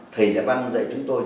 thầy giải văn dạy chúng tôi